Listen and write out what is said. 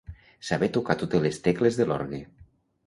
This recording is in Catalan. Saber tocar totes les tecles de l'orgue.